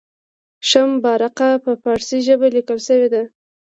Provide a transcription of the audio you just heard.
شمه بارقه په پارسي ژبه لیکل شوې ده.